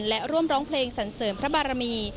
และร่วมร้องเพลงสันเสริมพระบารมี